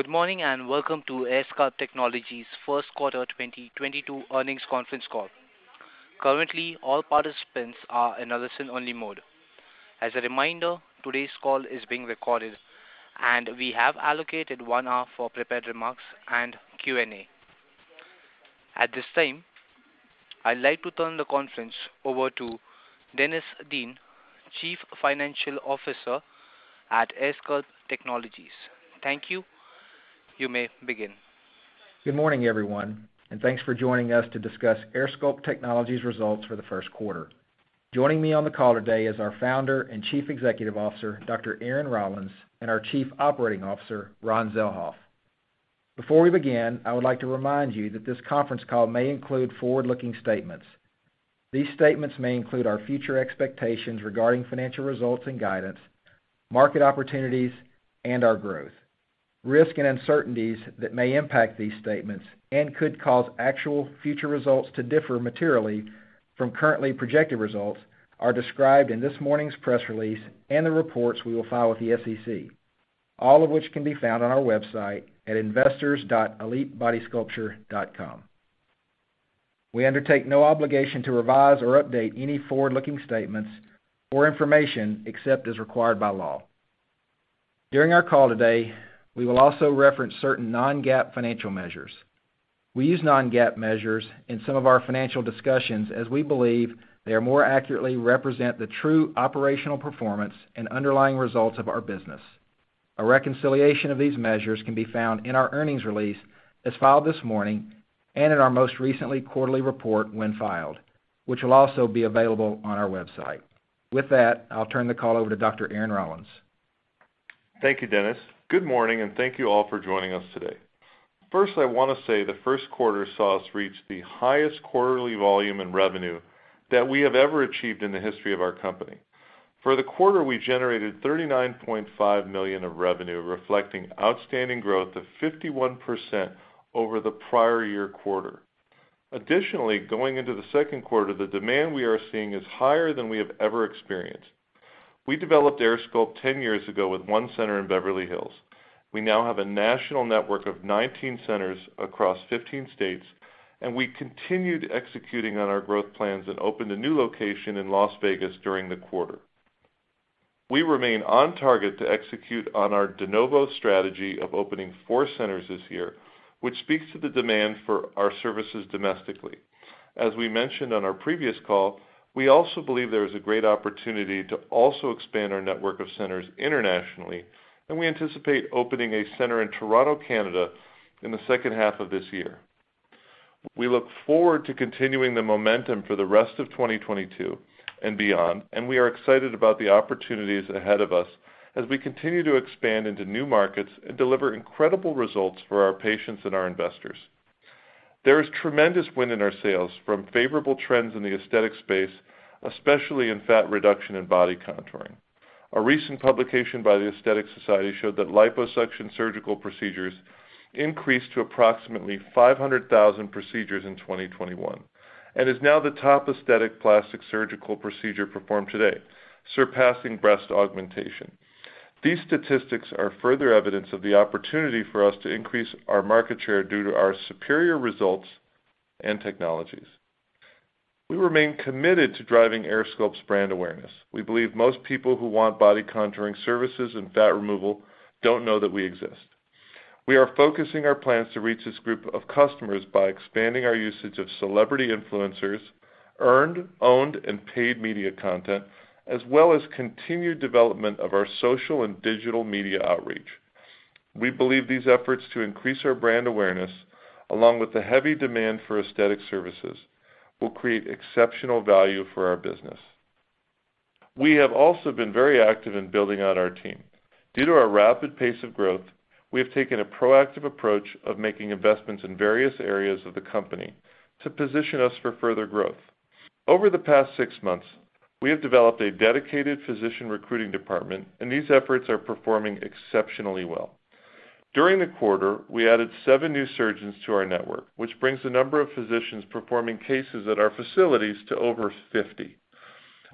Good morning, and welcome to AirSculpt Technologies' first quarter 2022 earnings conference call. Currently, all participants are in a listen-only mode. As a reminder, today's call is being recorded, and we have allocated one hour for prepared remarks and Q&A. At this time, I'd like to turn the conference over to Dennis Dean, Chief Financial Officer at AirSculpt Technologies. Thank you. You may begin. Good morning, everyone, and thanks for joining us to discuss AirSculpt Technologies' results for the first quarter. Joining me on the call today is our Founder and Chief Executive Officer, Dr. Aaron Rollins, and our Chief Operating Officer, Ron Zelhof. Before we begin, I would like to remind you that this conference call may include forward-looking statements. These statements may include our future expectations regarding financial results and guidance, market opportunities, and our growth. Risk and uncertainties that may impact these statements and could cause actual future results to differ materially from currently projected results are described in this morning's press release and the reports we will file with the SEC, all of which can be found on our website at investors.elitebodysculpture.com. We undertake no obligation to revise or update any forward-looking statements or information except as required by law. During our call today, we will also reference certain non-GAAP financial measures. We use non-GAAP measures in some of our financial discussions as we believe they more accurately represent the true operational performance and underlying results of our business. A reconciliation of these measures can be found in our earnings release as filed this morning and in our most recent quarterly report when filed, which will also be available on our website. With that, I'll turn the call over to Dr. Aaron Rollins. Thank you, Dennis. Good morning, and thank you all for joining us today. First, I wanna say the first quarter saw us reach the highest quarterly volume in revenue that we have ever achieved in the history of our company. For the quarter, we generated $39.5 million of revenue, reflecting outstanding growth of 51% over the prior year quarter. Additionally, going into the second quarter, the demand we are seeing is higher than we have ever experienced. We developed AirSculpt 10 years ago with one center in Beverly Hills. We now have a national network of 19 centers across 15 states, and we continued executing on our growth plans and opened a new location in Las Vegas during the quarter. We remain on target to execute on our de novo strategy of opening four centers this year, which speaks to the demand for our services domestically. As we mentioned on our previous call, we also believe there is a great opportunity to also expand our network of centers internationally, and we anticipate opening a center in Toronto, Canada in the second half of this year. We look forward to continuing the momentum for the rest of 2022 and beyond, and we are excited about the opportunities ahead of us as we continue to expand into new markets and deliver incredible results for our patients and our investors. There is tremendous wind in our sails from favorable trends in the aesthetic space, especially in fat reduction and body contouring. A recent publication by The Aesthetic Society showed that liposuction surgical procedures increased to approximately 500,000 procedures in 2021 and is now the top aesthetic plastic surgical procedure performed today, surpassing breast augmentation. These statistics are further evidence of the opportunity for us to increase our market share due to our superior results and technologies. We remain committed to driving AirSculpt's brand awareness. We believe most people who want body contouring services and fat removal don't know that we exist. We are focusing our plans to reach this group of customers by expanding our usage of celebrity influencers, earned, owned, and paid media content, as well as continued development of our social and digital media outreach. We believe these efforts to increase our brand awareness, along with the heavy demand for aesthetic services, will create exceptional value for our business. We have also been very active in building out our team. Due to our rapid pace of growth, we have taken a proactive approach of making investments in various areas of the company to position us for further growth. Over the past six months, we have developed a dedicated physician recruiting department, and these efforts are performing exceptionally well. During the quarter, we added seven new surgeons to our network, which brings the number of physicians performing cases at our facilities to over fifty.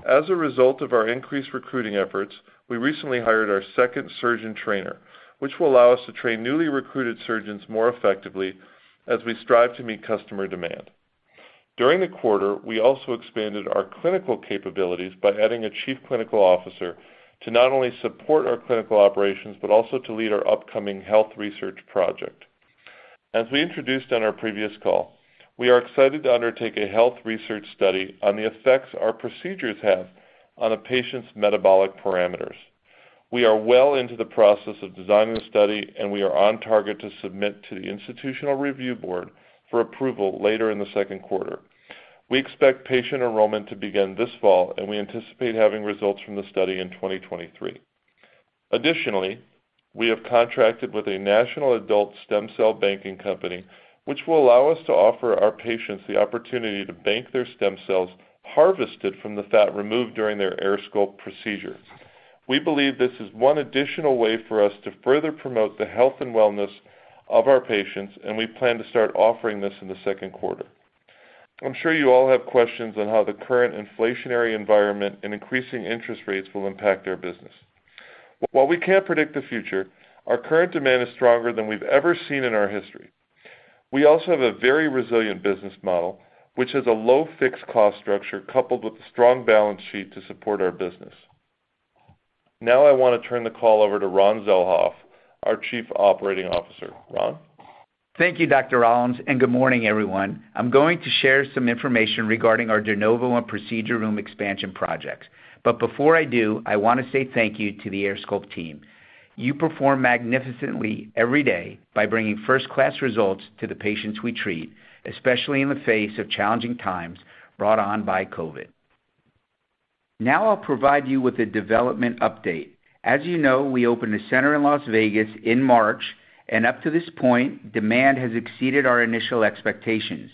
As a result of our increased recruiting efforts, we recently hired our second surgeon trainer, which will allow us to train newly recruited surgeons more effectively as we strive to meet customer demand. During the quarter, we also expanded our clinical capabilities by adding a chief clinical officer to not only support our clinical operations, but also to lead our upcoming health research project. As we introduced on our previous call, we are excited to undertake a health research study on the effects our procedures have on a patient's metabolic parameters. We are well into the process of designing the study, and we are on target to submit to the Institutional Review Board for approval later in the second quarter. We expect patient enrollment to begin this fall, and we anticipate having results from the study in 2023. Additionally, we have contracted with a national adult stem cell banking company, which will allow us to offer our patients the opportunity to bank their stem cells harvested from the fat removed during their AirSculpt procedure. We believe this is one additional way for us to further promote the health and wellness of our patients, and we plan to start offering this in the second quarter. I'm sure you all have questions on how the current inflationary environment and increasing interest rates will impact our business. While we can't predict the future, our current demand is stronger than we've ever seen in our history. We also have a very resilient business model, which has a low fixed cost structure coupled with a strong balance sheet to support our business. Now I wanna turn the call over to Ron Zelhof, our Chief Operating Officer. Ron? Thank you, Dr. Rollins, and good morning, everyone. I'm going to share some information regarding our de novo and procedure room expansion projects. Before I do, I wanna say thank you to the AirSculpt team. You perform magnificently every day by bringing first-class results to the patients we treat, especially in the face of challenging times brought on by COVID. Now I'll provide you with a development update. As you know, we opened a center in Las Vegas in March, and up to this point, demand has exceeded our initial expectations.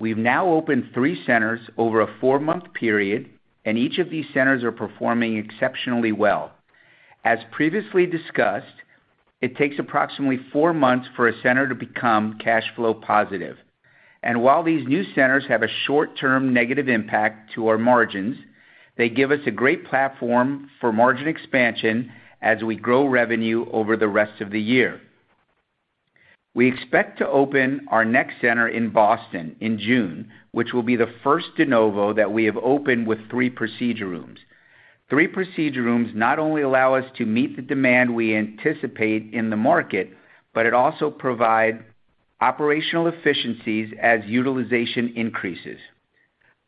We've now opened three centers over a four-month period, and each of these centers are performing exceptionally well. As previously discussed, it takes approximately four months for a center to become cash flow positive. While these new centers have a short-term negative impact to our margins, they give us a great platform for margin expansion as we grow revenue over the rest of the year. We expect to open our next center in Boston in June, which will be the first de novo that we have opened with three procedure rooms. Three procedure rooms not only allow us to meet the demand we anticipate in the market, but it also provide operational efficiencies as utilization increases.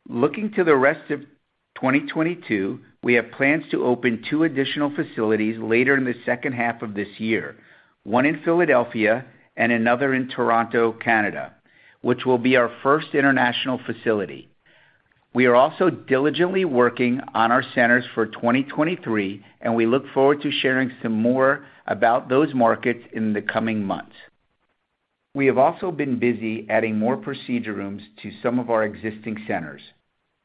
Looking to the rest of 2022, we have plans to open two additional facilities later in the second half of this year, one in Philadelphia and another in Toronto, Canada, which will be our first international facility. We are also diligently working on our centers for 2023, and we look forward to sharing some more about those markets in the coming months. We have also been busy adding more procedure rooms to some of our existing centers.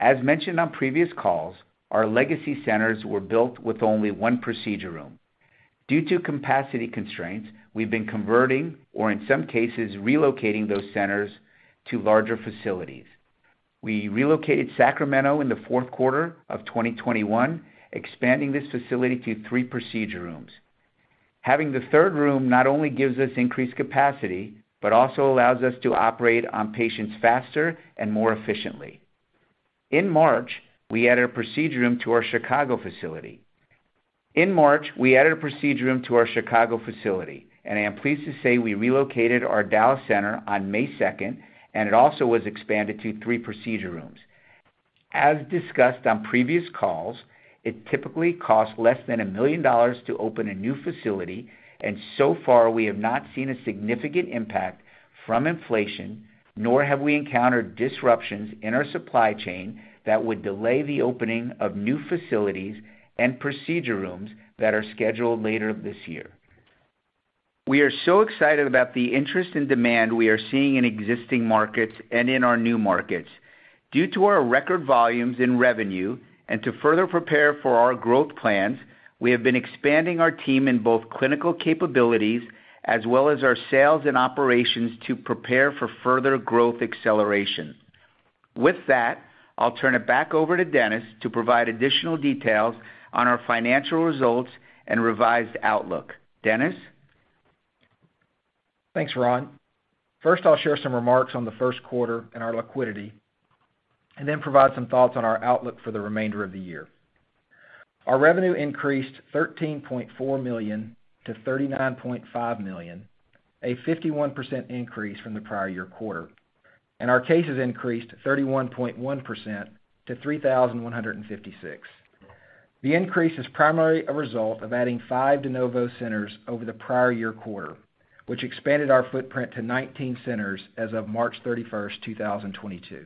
As mentioned on previous calls, our legacy centers were built with only one procedure room. Due to capacity constraints, we've been converting, or in some cases, relocating those centers to larger facilities. We relocated Sacramento in the fourth quarter of 2021, expanding this facility to three procedure rooms. Having the third room not only gives us increased capacity, but also allows us to operate on patients faster and more efficiently. In March, we added a procedure room to our Chicago facility, and I am pleased to say we relocated our Dallas center on May 2nd, and it also was expanded to three procedure rooms. As discussed on previous calls, it typically costs less than $1 million to open a new facility, and so far, we have not seen a significant impact from inflation, nor have we encountered disruptions in our supply chain that would delay the opening of new facilities and procedure rooms that are scheduled later this year. We are so excited about the interest and demand we are seeing in existing markets and in our new markets. Due to our record volumes in revenue and to further prepare for our growth plans, we have been expanding our team in both clinical capabilities as well as our sales and operations to prepare for further growth acceleration. With that, I'll turn it back over to Dennis to provide additional details on our financial results and revised outlook. Dennis? Thanks, Ron. First, I'll share some remarks on the first quarter and our liquidity, and then provide some thoughts on our outlook for the remainder of the year. Our revenue increased $13.4 million to $39.5 million, a 51% increase from the prior year quarter. Our cases increased 31.1% to 3,156. The increase is primarily a result of adding five de novo centers over the prior year quarter, which expanded our footprint to 19 centers as of March 31st, 2022.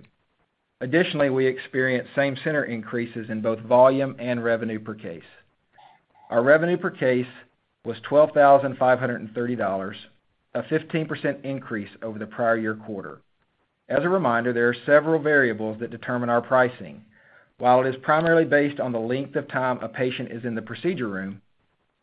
Additionally, we experienced same center increases in both volume and revenue per case. Our revenue per case was $12,530, a 15% increase over the prior year quarter. As a reminder, there are several variables that determine our pricing. While it is primarily based on the length of time a patient is in the procedure room,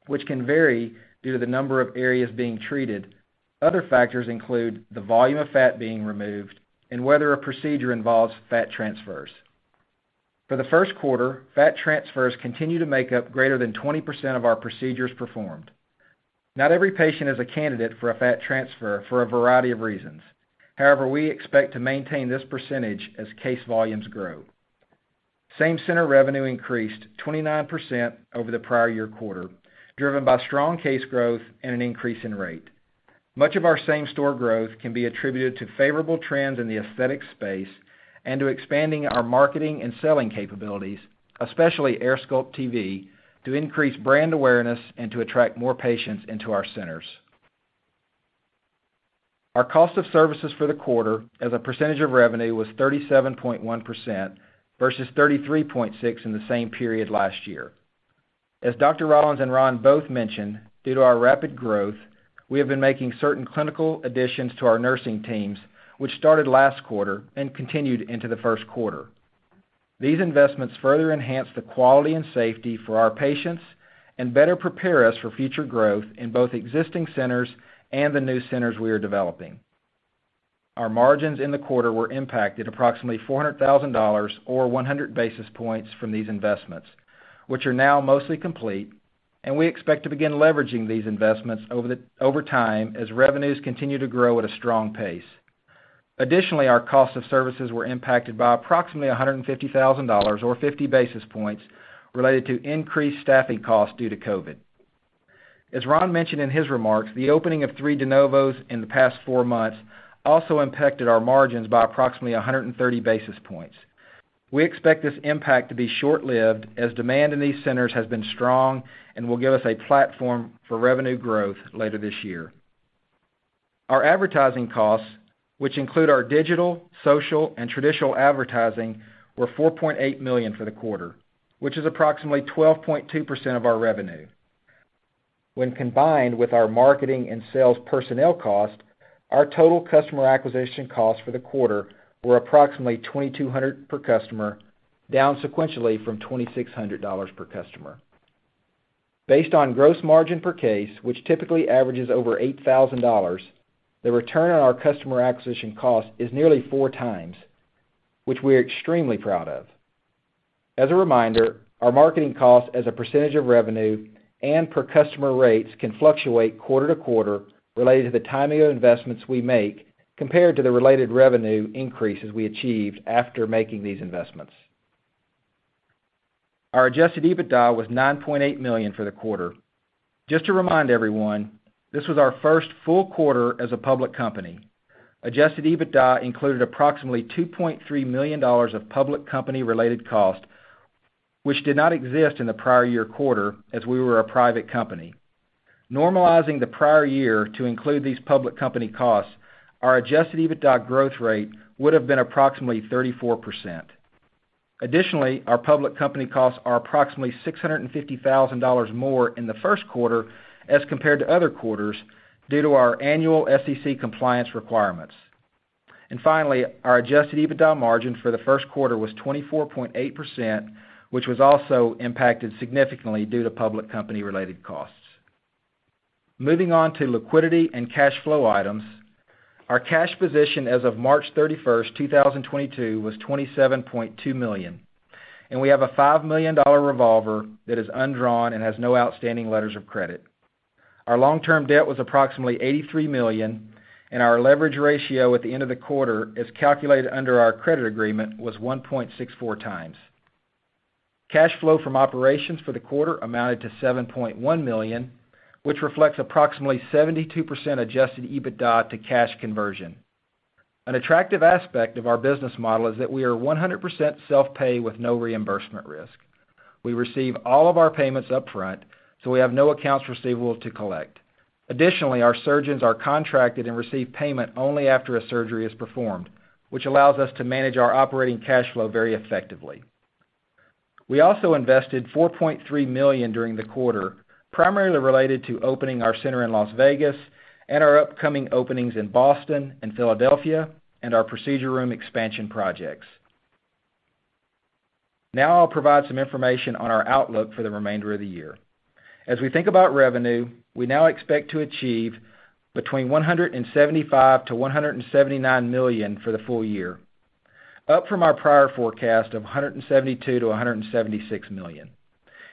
which can vary due to the number of areas being treated, other factors include the volume of fat being removed and whether a procedure involves fat transfers. For the first quarter, fat transfers continue to make up greater than 20% of our procedures performed. Not every patient is a candidate for a fat transfer for a variety of reasons. However, we expect to maintain this percentage as case volumes grow. Same-center revenue increased 29% over the prior year quarter, driven by strong case growth and an increase in rate. Much of our same store growth can be attributed to favorable trends in the aesthetic space and to expanding our marketing and selling capabilities, especially AirSculpt TV, to increase brand awareness and to attract more patients into our centers. Our cost of services for the quarter as a percentage of revenue was 37.1% versus 33.6% in the same period last year. As Dr. Rollins and Ron both mentioned, due to our rapid growth, we have been making certain clinical additions to our nursing teams, which started last quarter and continued into the first quarter. These investments further enhance the quality and safety for our patients and better prepare us for future growth in both existing centers and the new centers we are developing. Our margins in the quarter were impacted approximately $400,000 or 100 basis points from these investments, which are now mostly complete, and we expect to begin leveraging these investments over time as revenues continue to grow at a strong pace. Additionally, our cost of services were impacted by approximately $150,000 or 50 basis points related to increased staffing costs due to COVID. As Ron mentioned in his remarks, the opening of three de novos in the past four months also impacted our margins by approximately 130 basis points. We expect this impact to be short-lived as demand in these centers has been strong and will give us a platform for revenue growth later this year. Our advertising costs, which include our digital, social, and traditional advertising, were $4.8 million for the quarter, which is approximately 12.2% of our revenue. When combined with our marketing and sales personnel cost, our total customer acquisition costs for the quarter were approximately $2,200 per customer, down sequentially from $2,600 per customer. Based on gross margin per case, which typically averages over $8,000, the return on our customer acquisition cost is nearly 4x, which we are extremely proud of. As a reminder, our marketing costs as a percentage of revenue and per customer rates can fluctuate quarter to quarter related to the timing of investments we make compared to the related revenue increases we achieved after making these investments. Our adjusted EBITDA was $9.8 million for the quarter. Just to remind everyone, this was our first full quarter as a public company. Adjusted EBITDA included approximately $2.3 million of public company-related costs, which did not exist in the prior year quarter as we were a private company. Normalizing the prior year to include these public company costs, our adjusted EBITDA growth rate would have been approximately 34%. Additionally, our public company costs are approximately $650,000 more in the first quarter as compared to other quarters due to our annual SEC compliance requirements. Finally, our adjusted EBITDA margin for the first quarter was 24.8%, which was also impacted significantly due to public company-related costs. Moving on to liquidity and cash flow items. Our cash position as of March 31, 2022, was $27.2 million, and we have a $5 million revolver that is undrawn and has no outstanding letters of credit. Our long-term debt was approximately $83 million, and our leverage ratio at the end of the quarter, as calculated under our credit agreement, was 1.64x. Cash flow from operations for the quarter amounted to $7.1 million, which reflects approximately 72% adjusted EBITDA to cash conversion. An attractive aspect of our business model is that we are 100% self-pay with no reimbursement risk. We receive all of our payments upfront, so we have no accounts receivable to collect. Additionally, our surgeons are contracted and receive payment only after a surgery is performed, which allows us to manage our operating cash flow very effectively. We also invested $4.3 million during the quarter, primarily related to opening our center in Las Vegas and our upcoming openings in Boston and Philadelphia and our procedure room expansion projects. Now I'll provide some information on our outlook for the remainder of the year. As we think about revenue, we now expect to achieve between $175 million-$179 million for the full year, up from our prior forecast of $172 million-$176 million,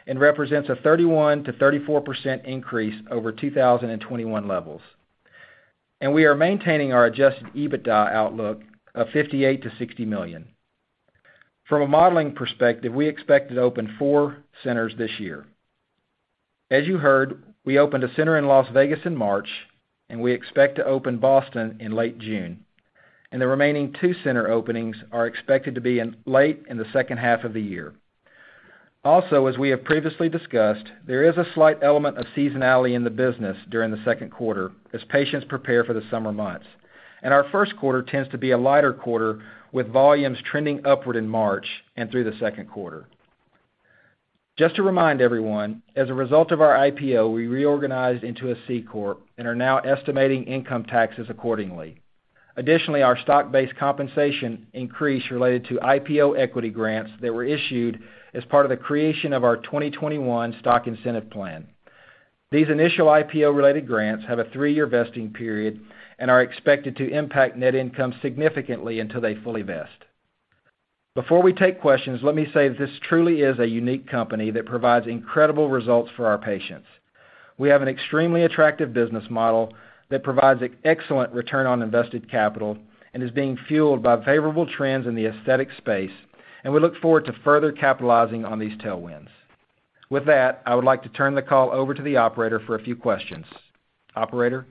and represents a 31%-34% increase over 2021 levels. We are maintaining our adjusted EBITDA outlook of $58 million-$60 million. From a modeling perspective, we expect to open four centers this year. As you heard, we opened a center in Las Vegas in March, and we expect to open Boston in late June. The remaining two center openings are expected to be late in the second half of the year. Also, as we have previously discussed, there is a slight element of seasonality in the business during the second quarter as patients prepare for the summer months. Our first quarter tends to be a lighter quarter with volumes trending upward in March and through the second quarter. Just to remind everyone, as a result of our IPO, we reorganized into a C corp and are now estimating income taxes accordingly. Additionally, our stock-based compensation increased related to IPO equity grants that were issued as part of the creation of our 2021 stock incentive plan. These initial IPO-related grants have a three-year vesting period and are expected to impact net income significantly until they fully vest. Before we take questions, let me say this truly is a unique company that provides incredible results for our patients. We have an extremely attractive business model that provides an excellent return on invested capital and is being fueled by favorable trends in the aesthetic space, and we look forward to further capitalizing on these tailwinds. With that, I would like to turn the call over to the operator for a few questions. Operator?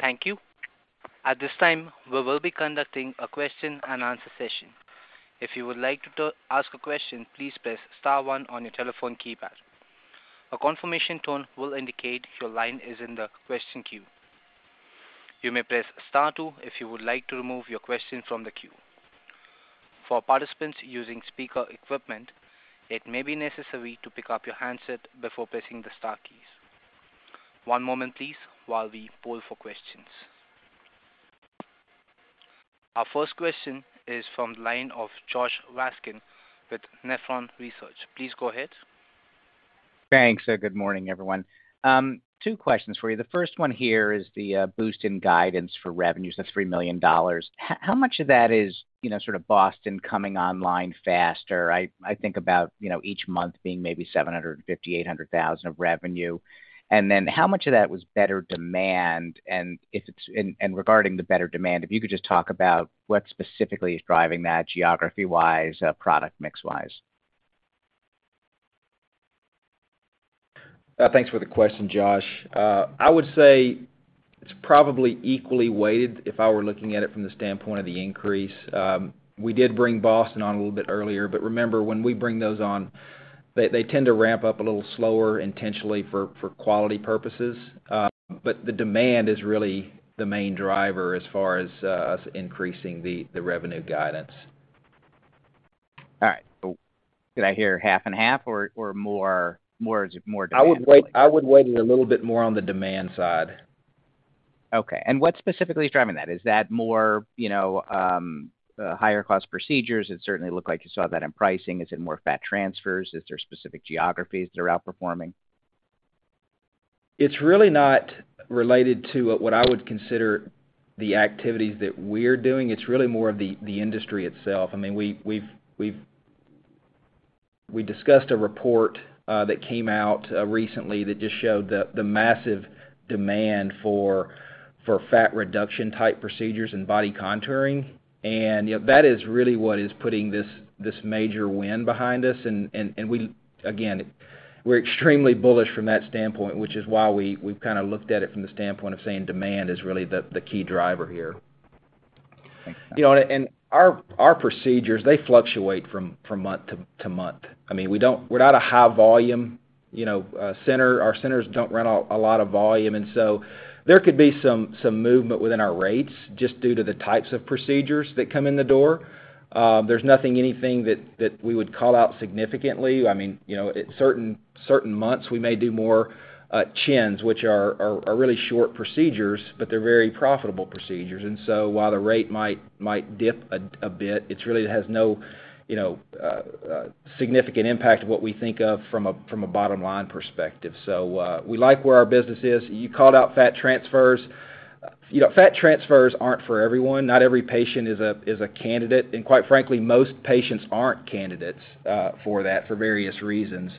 Thank you. At this time, we will be conducting a question and answer session. If you would like to ask a question, please press star one on your telephone keypad. A confirmation tone will indicate your line is in the question queue. You may press star two if you would like to remove your question from the queue. For participants using speaker equipment, it may be necessary to pick up your handset before pressing the star keys. One moment, please, while we poll for questions. Our first question is from the line of Josh Raskin with Nephron Research. Please go ahead. Thanks. Good morning, everyone. Two questions for you. The first one here is the boost in guidance for revenues of $3 million. How much of that is, you know, sort of Boston coming online faster? I think about, you know, each month being maybe $750,000-$800,000 of revenue. How much of that was better demand? Regarding the better demand, if you could just talk about what specifically is driving that geography-wise, product mix-wise. Thanks for the question, Josh. I would say it's probably equally weighted if I were looking at it from the standpoint of the increase. We did bring Boston on a little bit earlier, but remember, when we bring those on, they tend to ramp up a little slower intentionally for quality purposes. The demand is really the main driver as far as us increasing the revenue guidance. All right. Did I hear half and half or more, is it more demand? I would weight it a little bit more on the demand side. Okay. What specifically is driving that? Is that more, you know, higher cost procedures? It certainly looked like you saw that in pricing. Is it more fat transfers? Is there specific geographies that are outperforming? It's really not related to what I would consider the activities that we're doing. It's really more of the industry itself. I mean, we've discussed a report that came out recently that just showed the massive demand for fat reduction type procedures and body contouring. You know, that is really what is putting this major wind behind us. We're extremely bullish from that standpoint, which is why we've kinda looked at it from the standpoint of saying demand is really the key driver here. Thanks. You know, our procedures, they fluctuate from month to month. I mean, we're not a high volume, you know, center. Our centers don't run a lot of volume. There could be some movement within our rates just due to the types of procedures that come in the door. There's nothing that we would call out significantly. I mean, you know, at certain months, we may do more chins, which are really short procedures, but they're very profitable procedures. While the rate might dip a bit, it really has no significant impact on what we think of from a bottom line perspective. We like where our business is. You called out fat transfers. You know, fat transfers aren't for everyone. Not every patient is a candidate, and quite frankly, most patients aren't candidates for that for various reasons.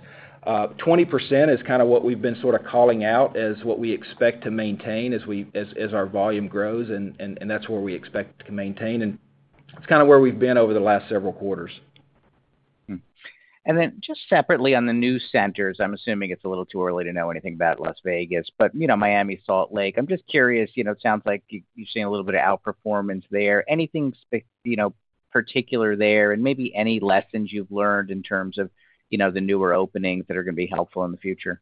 20% is kinda what we've been sorta calling out as what we expect to maintain as our volume grows, and that's where we expect to maintain. It's kinda where we've been over the last several quarters. Just separately on the new centers, I'm assuming it's a little too early to know anything about Las Vegas, but you know, Miami, Salt Lake. I'm just curious, you know, it sounds like you're seeing a little bit of outperformance there. Anything particular there and maybe any lessons you've learned in terms of, you know, the newer openings that are gonna be helpful in the future?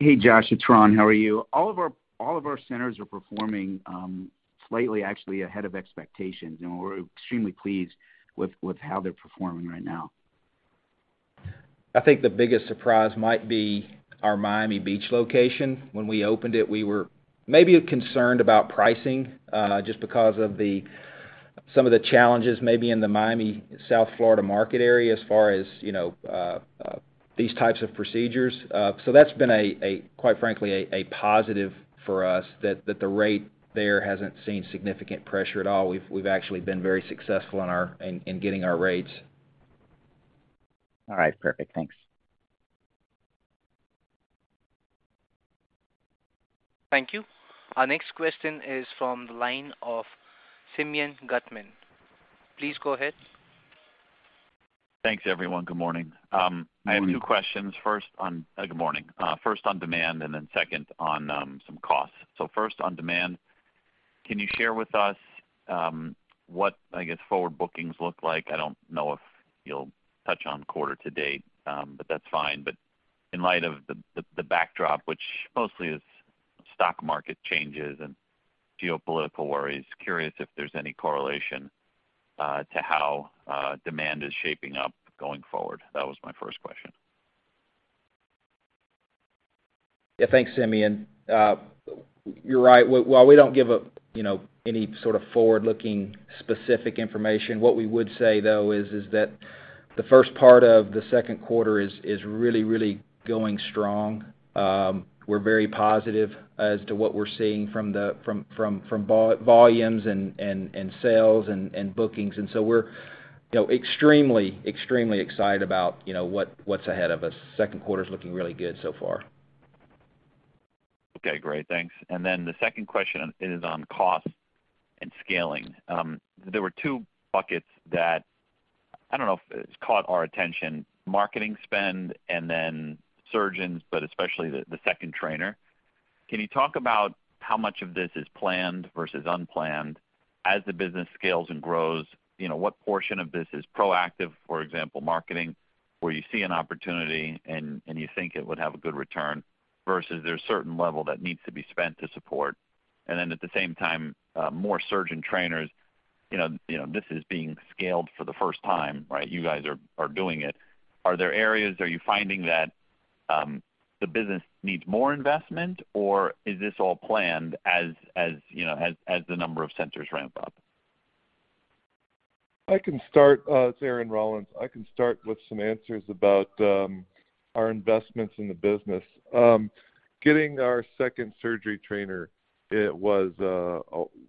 Hey, Josh, it's Ron. How are you? All of our centers are performing slightly actually ahead of expectations, and we're extremely pleased with how they're performing right now. I think the biggest surprise might be our Miami Beach location. When we opened it, we were maybe concerned about pricing just because of some of the challenges maybe in the Miami, South Florida market area as far as you know these types of procedures. So that's been quite frankly a positive for us that the rate there hasn't seen significant pressure at all. We've actually been very successful in getting our rates. All right. Perfect. Thanks. Thank you. Our next question is from the line of Simeon Gutman. Please go ahead. Thanks, everyone. Good morning. Good morning. I have two questions. Good morning. First on demand, and then second on some costs. First on demand, can you share with us what, I guess, forward bookings look like? I don't know if you'll touch on quarter to date, but that's fine. In light of the backdrop, which mostly is stock market changes and geopolitical worries, curious if there's any correlation to how demand is shaping up going forward. That was my first question. Yeah. Thanks, Simeon. You're right. While we don't give a, you know, any sort of forward-looking specific information, what we would say, though, is that the first part of the second quarter is really going strong. We're very positive as to what we're seeing from the volumes and sales and bookings. We're, you know, extremely excited about, you know, what's ahead of us. Second quarter is looking really good so far. Okay, great. Thanks. The second question is on cost and scaling. There were two buckets that I don't know if it's caught our attention, marketing spend and then surgeons, but especially the second trainer. Can you talk about how much of this is planned versus unplanned? As the business scales and grows, you know, what portion of this is proactive? For example, marketing, where you see an opportunity and you think it would have a good return versus there's a certain level that needs to be spent to support. At the same time, more surgeon trainers. You know, this is being scaled for the first time, right? You guys are doing it. Are there areas, are you finding that the business needs more investment, or is this all planned as, you know, as the number of centers ramp up? I can start. It's Aaron Rollins. I can start with some answers about our investments in the business. Getting our second surgery trainer, it was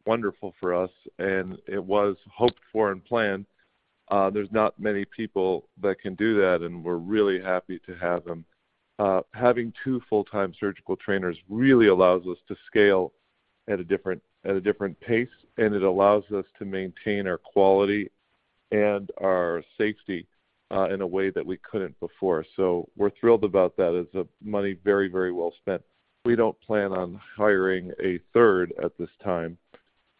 wonderful for us, and it was hoped for and planned. There's not many people that can do that, and we're really happy to have them. Having two full-time surgical trainers really allows us to scale at a different pace, and it allows us to maintain our quality and our safety in a way that we couldn't before. We're thrilled about that. It's money very, very well spent. We don't plan on hiring a third at this time.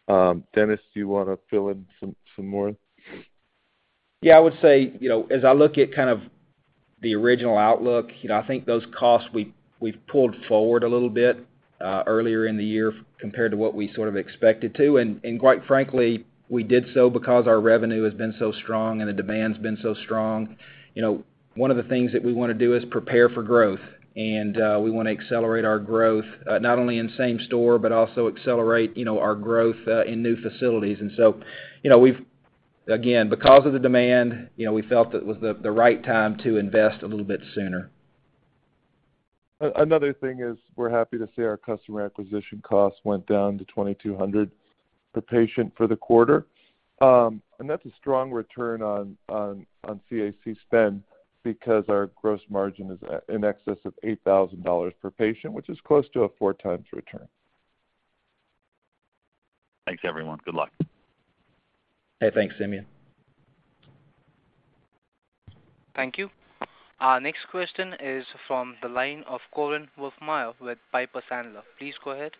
Dennis Dean, do you wanna fill in some more? Yeah. I would say, you know, as I look at kind of the original outlook, you know, I think those costs, we've pulled forward a little bit earlier in the year compared to what we sort of expected to. Quite frankly, we did so because our revenue has been so strong and the demand's been so strong. You know, one of the things that we wanna do is prepare for growth. We wanna accelerate our growth not only in same store, but also in new facilities. You know, we've again, because of the demand, you know, we felt it was the right time to invest a little bit sooner. Another thing is we're happy to say our customer acquisition costs went down to $2,200 per patient for the quarter. That's a strong return on CAC spend because our gross margin is at in excess of $8,000 per patient, which is close to a 4x return. Thanks, everyone. Good luck. Hey, thanks, Simeon. Thank you. Our next question is from the line of Korinne Wolfmeyer with Piper Sandler. Please go ahead.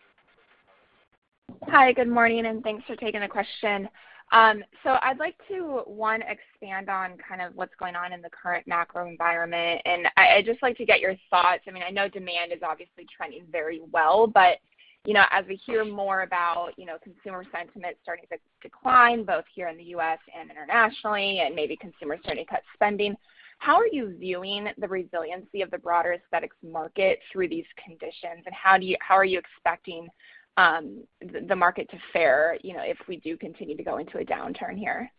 Hi, good morning, and thanks for taking the question. I'd like to, one, expand on kind of what's going on in the current macro environment. I'd just like to get your thoughts. I mean, I know demand is obviously trending very well, but, you know, as we hear more about, you know, consumer sentiment starting to decline both here in the U.S. and internationally and maybe consumers starting to cut spending, how are you viewing the resiliency of the broader aesthetics market through these conditions? How are you expecting the market to fare, you know, if we do continue to go into a downturn here?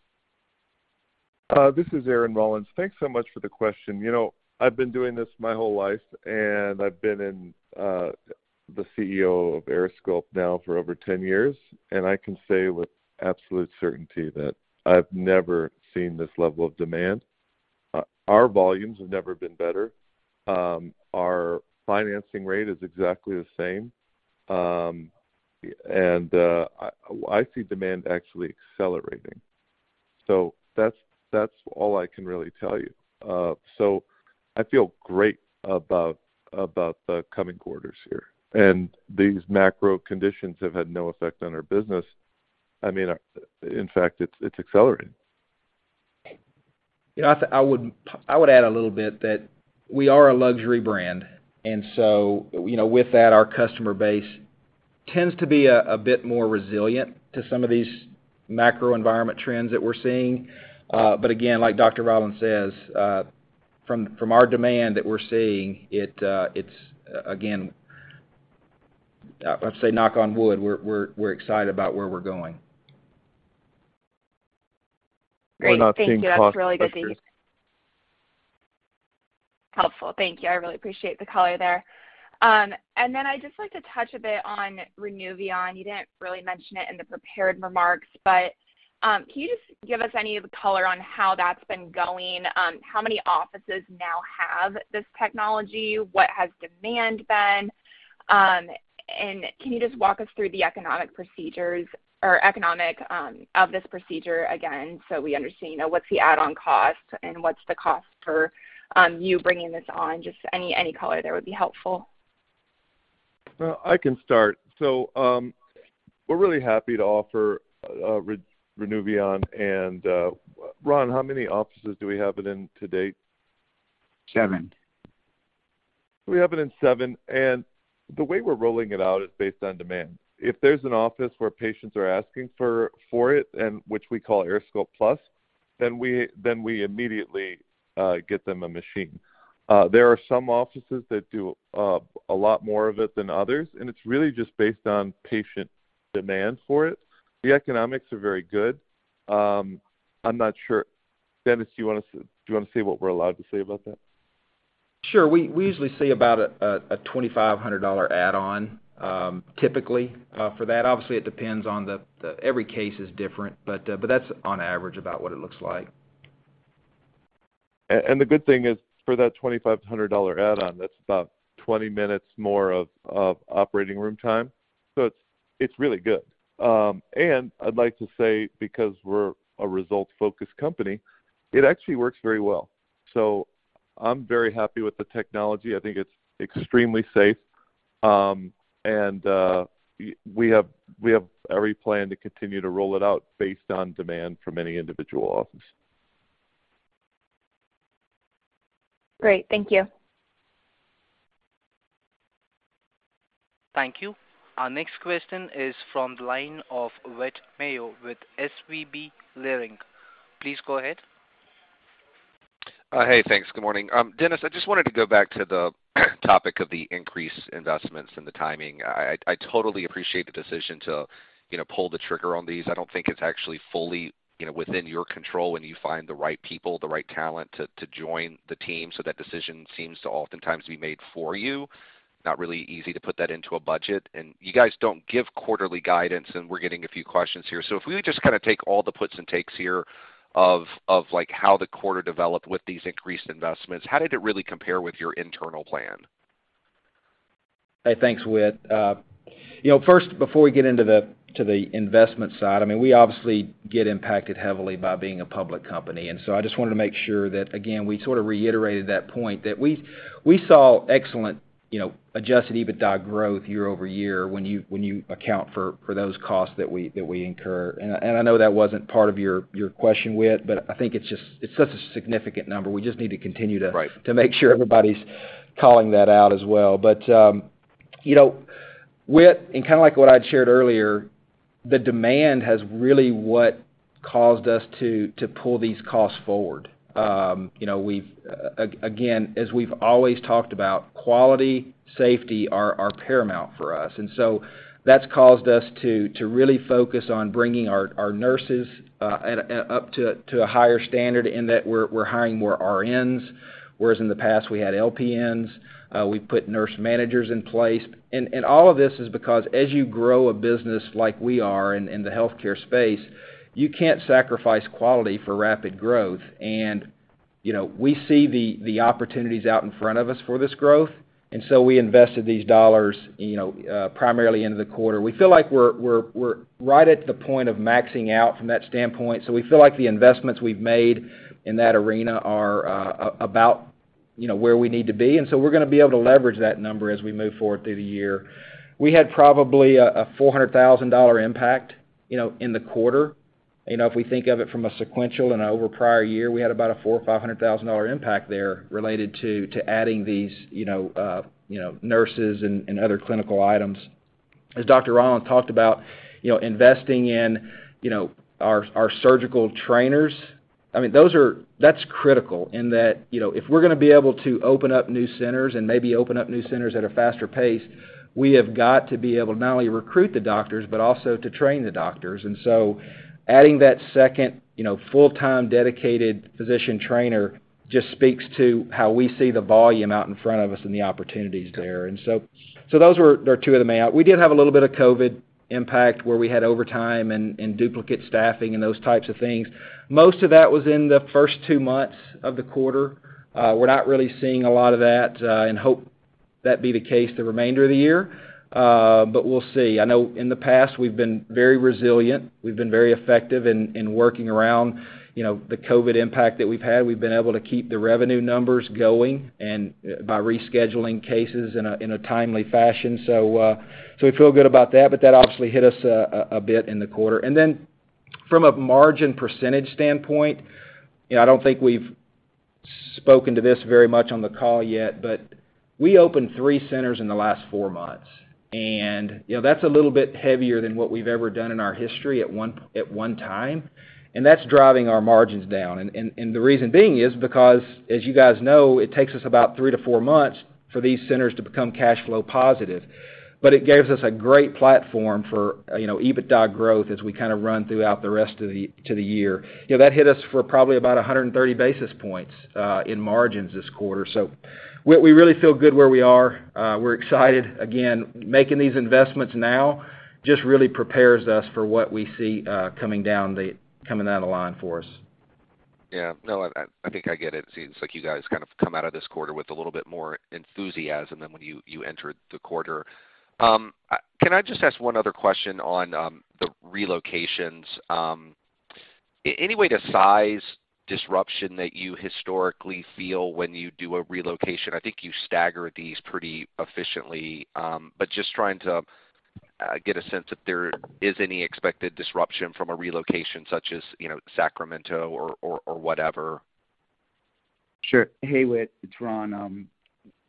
This is Aaron Rollins. Thanks so much for the question. You know, I've been doing this my whole life, and I've been the CEO of AirSculpt now for over 10 years, and I can say with absolute certainty that I've never seen this level of demand. Our volumes have never been better. Our financing rate is exactly the same. I see demand actually accelerating. So that's all I can really tell you. So I feel great about the coming quarters here. These macro conditions have had no effect on our business. I mean, in fact, it's accelerating. You know, I would add a little bit that we are a luxury brand, and so, you know, with that, our customer base tends to be a bit more resilient to some of these macro environment trends that we're seeing. Again, like Dr. Rollins says, from our demand that we're seeing, it's again. Let's say, knock on wood, we're excited about where we're going. Great. Thank you. We're not seeing cost pressures. That's really good to hear. Helpful. Thank you. I really appreciate the color there. I'd just like to touch a bit on Renuvion. You didn't really mention it in the prepared remarks, but can you just give us any of the color on how that's been going? How many offices now have this technology? What has demand been? Can you just walk us through the economics of this procedure again, so we understand, you know, what's the add-on cost and what's the cost of bringing this on? Just any color there would be helpful. Well, I can start. We're really happy to offer Renuvion. Ron, how many offices do we have it in to date? Seven. We have it in seven, and the way we're rolling it out is based on demand. If there's an office where patients are asking for it, and which we call AirSculpt+, then we immediately get them a machine. There are some offices that do a lot more of it than others, and it's really just based on patient demand for it. The economics are very good. I'm not sure. Dennis, do you wanna say what we're allowed to say about that? Sure. We usually see about a $2,500 add-on, typically, for that. Obviously, it depends on the. Every case is different, but that's on average about what it looks like. The good thing is for that $2,500 add-on, that's about 20 minutes more of operating room time. It's really good. I'd like to say, because we're a results-focused company, it actually works very well. I'm very happy with the technology. I think it's extremely safe. We have every plan to continue to roll it out based on demand from any individual office. Great. Thank you. Thank you. Our next question is from the line of Whit Mayo with SVB Leerink. Please go ahead. Hey, thanks. Good morning. Dennis, I just wanted to go back to the topic of the increased investments and the timing. I totally appreciate the decision to, you know, pull the trigger on these. I don't think it's actually fully, you know, within your control when you find the right people, the right talent to join the team. That decision seems to oftentimes be made for you. Not really easy to put that into a budget. You guys don't give quarterly guidance, and we're getting a few questions here. If we would just kinda take all the puts and takes here of, like, how the quarter developed with these increased investments, how did it really compare with your internal plan? Hey, thanks, Whit. You know, first, before we get into the investment side, I mean, we obviously get impacted heavily by being a public company. I just wanted to make sure that, again, we sort of reiterated that point, that we saw excellent, you know, adjusted EBITDA growth year over year when you account for those costs that we incur. I know that wasn't part of your question, Whit, but I think it's just such a significant number. We just need to continue to. Right to make sure everybody's calling that out as well. You know, Whit, and kinda like what I'd shared earlier, the demand is really what caused us to pull these costs forward. You know, again, as we've always talked about, quality, safety are paramount for us. That's caused us to really focus on bringing our nurses up to a higher standard in that we're hiring more RNs, whereas in the past we had LPNs. We put nurse managers in place. All of this is because as you grow a business like we are in the healthcare space, you can't sacrifice quality for rapid growth. You know, we see the opportunities out in front of us for this growth, and so we invested these dollars, you know, primarily into the quarter. We feel like we're right at the point of maxing out from that standpoint, so we feel like the investments we've made in that arena are about, you know, where we need to be. We're gonna be able to leverage that number as we move forward through the year. We had probably a $400,000 impact, you know, in the quarter. You know, if we think of it from a sequential and over prior year, we had about a $400,000 or $500,000 impact there related to adding these, you know, nurses and other clinical items. As Dr. Rollins talked about, you know, investing in, you know, our surgical trainers. I mean, those are that's critical in that, you know, if we're gonna be able to open up new centers and maybe open up new centers at a faster pace, we have got to be able to not only recruit the doctors, but also to train the doctors. Adding that second, you know, full-time dedicated physician trainer just speaks to how we see the volume out in front of us and the opportunities there. So those were two of the main. We did have a little bit of COVID impact, where we had overtime and duplicate staffing and those types of things. Most of that was in the first two months of the quarter. We're not really seeing a lot of that, and hope that to be the case the remainder of the year, but we'll see. I know in the past we've been very resilient. We've been very effective in working around, you know, the COVID impact that we've had. We've been able to keep the revenue numbers going and by rescheduling cases in a timely fashion. We feel good about that, but that obviously hit us a bit in the quarter. From a margin percentage standpoint, you know, I don't think we've spoken to this very much on the call yet, but we opened three centers in the last four months. You know, that's a little bit heavier than what we've ever done in our history at one time, and that's driving our margins down. The reason being is because, as you guys know, it takes us about three to four months for these centers to become cash flow positive. It gives us a great platform for, you know, EBITDA growth as we kinda run throughout the rest of the year. You know, that hit us for probably about 130 basis points in margins this quarter. We really feel good where we are. We're excited. Again, making these investments now just really prepares us for what we see coming down the line for us. Yeah. No, I think I get it. It seems like you guys kind of come out of this quarter with a little bit more enthusiasm than when you entered the quarter. Can I just ask one other question on the relocations? Any way to size disruption that you historically feel when you do a relocation? I think you stagger these pretty efficiently. Just trying to get a sense if there is any expected disruption from a relocation such as, you know, Sacramento or whatever. Sure. Hey, Whit, it's Ron.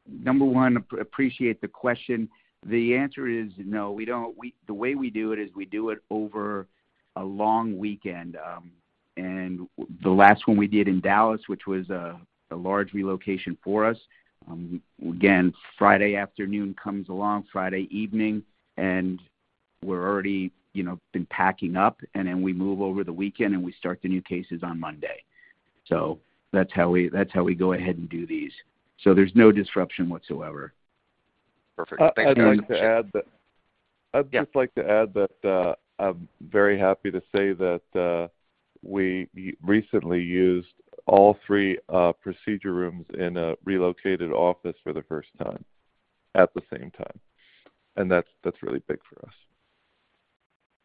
Number one, appreciate the question. The answer is no, we don't. The way we do it is we do it over a long weekend. The last one we did in Dallas, which was a large relocation for us, again, Friday afternoon comes along, Friday evening, and we're already, you know, been packing up, and then we move over the weekend, and we start the new cases on Monday. That's how we go ahead and do these. There's no disruption whatsoever. Perfect. Thanks, guys. I'd like to add that. Yeah. I'd just like to add that, I'm very happy to say that, we recently used all three procedure rooms in a relocated office for the first time at the same time, and that's really big for us.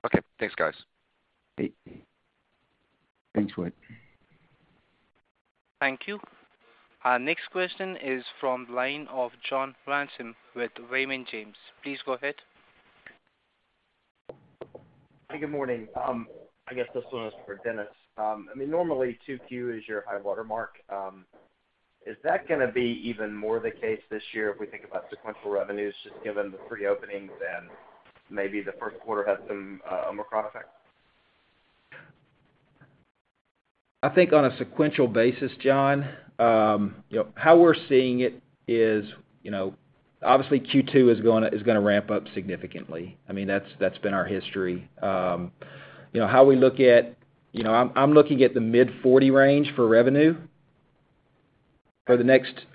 Okay. Thanks, guys. Okay. Thanks, Whit. Thank you. Our next question is from the line of John Ransom with Raymond James. Please go ahead. Hey, good morning. I guess this one is for Dennis. I mean, normally 2Q is your high water mark. Is that gonna be even more the case this year if we think about sequential revenues, just given the pre-openings and maybe the first quarter had some Omicron effect? I think on a sequential basis, John, you know, how we're seeing it is, you know, obviously Q2 is gonna ramp up significantly. I mean, that's been our history. You know how we look at. You know, I'm looking at the mid-40 range for revenue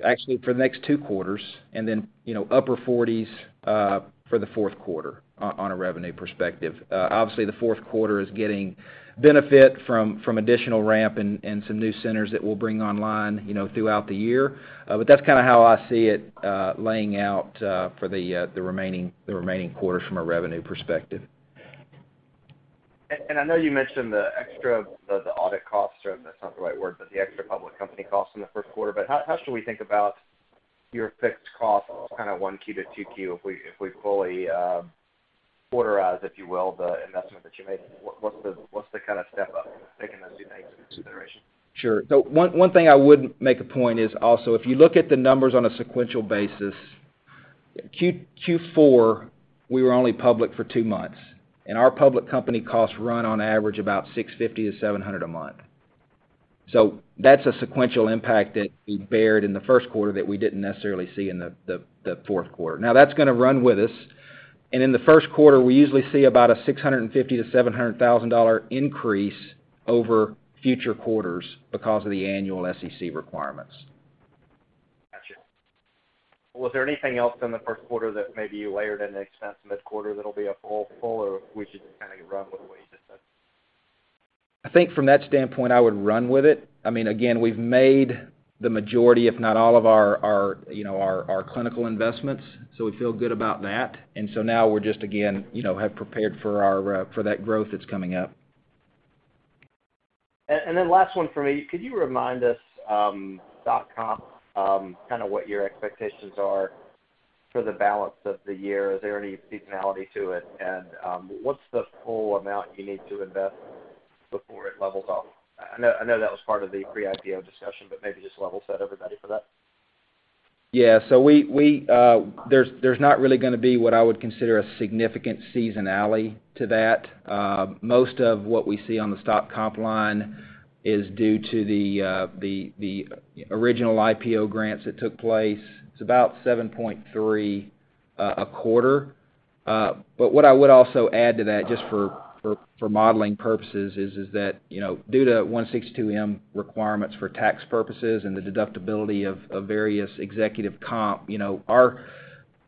actually for the next two quarters and then, you know, upper 40s for the fourth quarter on a revenue perspective. Obviously the fourth quarter is getting benefit from additional ramp and some new centers that we'll bring online, you know, throughout the year. But that's kinda how I see it laying out for the remaining quarters from a revenue perspective. I know you mentioned the extra audit costs, or that's not the right word, but the extra public company costs in the first quarter. How should we think about your fixed costs kind of 1Q to 2Q if we fully quarterize, if you will, the investment that you made? What's the kinda step up taking those two things into consideration? Sure. One thing I would make a point is also if you look at the numbers on a sequential basis, Q4, we were only public for two months, and our public company costs run on average about $650-$700 a month. That's a sequential impact that we bore in the first quarter that we didn't necessarily see in the fourth quarter. Now, that's gonna run with us, and in the first quarter, we usually see about a $650,000-$700,000 increase over future quarters because of the annual SEC requirements. Gotcha. Was there anything else in the first quarter that maybe you layered in the expense mid-quarter that'll be a full pull or we should kinda run with what you just said? I think from that standpoint I would run with it. I mean, again, we've made the majority, if not all of our, you know, our clinical investments, so we feel good about that. Now we're just again, you know, have prepared for that growth that's coming up. Last one for me. Could you remind us, dot-com, kinda what your expectations are for the balance of the year? Is there any seasonality to it? What's the full amount you need to invest before it levels off? I know that was part of the pre-IPO discussion, but maybe just level set everybody for that. There's not really gonna be what I would consider a significant seasonality to that. Most of what we see on the stock comp line is due to the original IPO grants that took place. It's about $7.3 a quarter. But what I would also add to that just for modeling purposes is that, you know, due to 162(m) requirements for tax purposes and the deductibility of various executive comp, you know,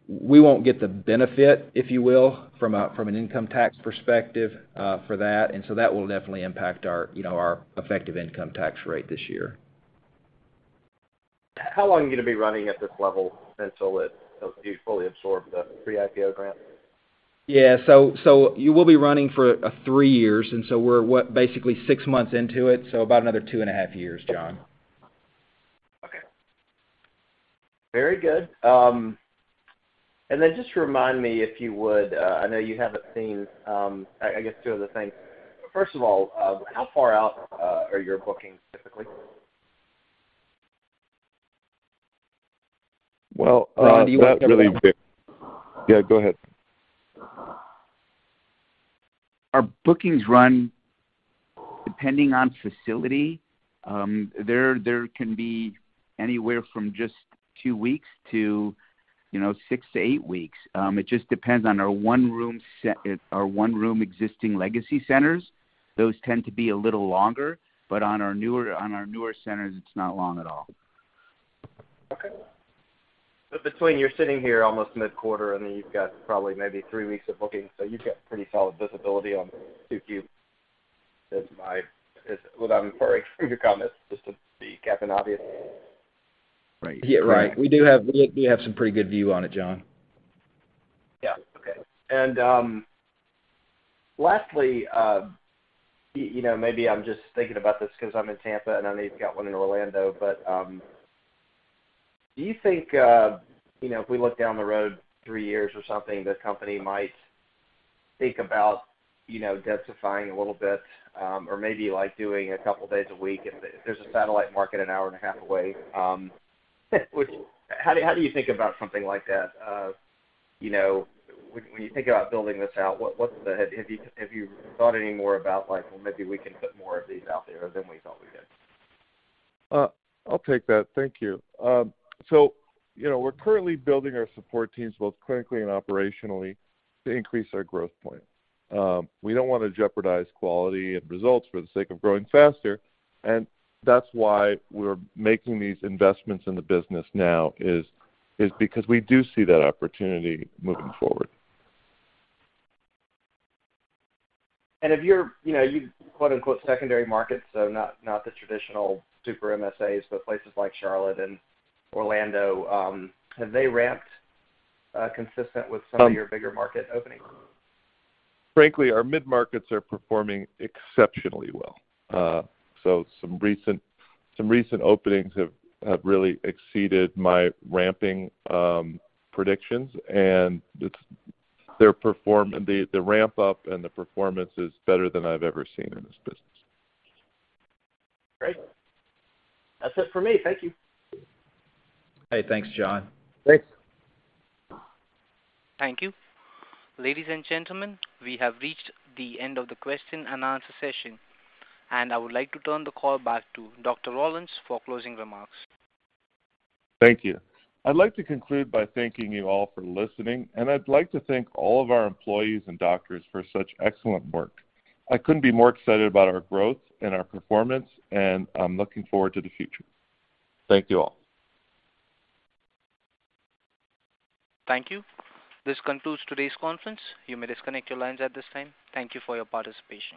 we won't get the benefit, if you will, from an income tax perspective, for that, and so that will definitely impact our, you know, our effective income tax rate this year. How long are you gonna be running at this level until you fully absorb the pre-IPO grant? You will be running for three years, and we're basically six months into it, so about another two and a half years, John. Okay. Very good. Just remind me, if you would, I know you haven't seen, I guess two other things. First of all, how far out are your bookings typically? Well, that really Do you wanna take that one? Yeah, go ahead. Our bookings run, depending on facility, there can be anywhere from just two weeks to, you know six to eight weeks. It just depends on our one-room existing legacy centers, those tend to be a little longer. On our newer centers, it's not long at all. Okay. Now you're sitting here almost mid-quarter, I mean, you've got probably maybe three weeks of bookings, so you've got pretty solid visibility on 2Q, without referring to your comments, just to state the Captain Obvious. Right. Yeah, right. We do have some pretty good view on it, John. Yeah. Okay. Lastly, you know, maybe I'm just thinking about this 'cause I'm in Tampa, and I know you've got one in Orlando, but do you think, you know, if we look down the road three years or something, the company might think about, you know, densifying a little bit, or maybe like doing a couple of days a week if there's a satellite market an hour and a half away? How do you think about something like that? You know, when you think about building this out, have you thought any more about like, well, maybe we can put more of these out there than we thought we did? I'll take that. Thank you. You know, we're currently building our support teams both clinically and operationally to increase our growth point. We don't wanna jeopardize quality and results for the sake of growing faster, and that's why we're making these investments in the business now is because we do see that opportunity moving forward. If your, you know, your quote, unquote secondary markets, so not the traditional super MSAs, but places like Charlotte and Orlando, have they ramped consistent with some of your bigger market openings? Frankly, our mid-markets are performing exceptionally well. Some recent openings have really exceeded my ramping predictions and the ramp up and the performance is better than I've ever seen in this business. Great. That's it for me. Thank you. Hey, thanks, John. Thanks. Thank you. Ladies and gentlemen, we have reached the end of the question and answer session, and I would like to turn the call back to Dr. Rollins for closing remarks. Thank you. I'd like to conclude by thanking you all for listening, and I'd like to thank all of our employees and doctors for such excellent work. I couldn't be more excited about our growth and our performance, and I'm looking forward to the future. Thank you all. Thank you. This concludes today's conference. You may disconnect your lines at this time. Thank you for your participation.